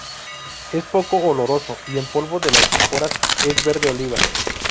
Es poco oloroso, y el polvo de las esporas es verde oliva.